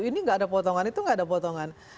ini tidak ada potongan itu tidak ada potongan